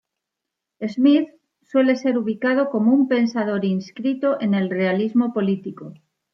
Schmitt suele ser ubicado como un pensador inscrito en el realismo político.